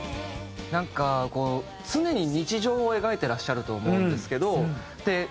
なんかこう常に日常を描いてらっしゃると思うんですけど。